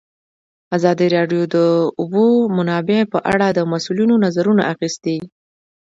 ازادي راډیو د د اوبو منابع په اړه د مسؤلینو نظرونه اخیستي.